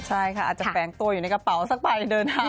ใช่ค่ะอาจจะแฝงตัวอยู่ในกระเป๋าสักใบเดินทาง